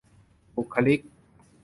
บุคลิก